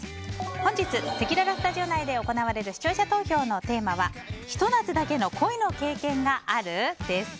本日せきららスタジオ内で行われる視聴者投票のテーマはひと夏だけの恋の経験がある？です。